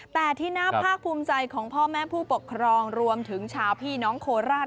แต่ที่น่าภาคภูมิใจของพ่อแม่ผู้ปกครองรวมถึงชาวพี่น้องโคราช